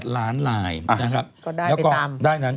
๑๒๘ล้านลายนะครับ